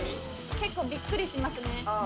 結構びっくりしますねあぁ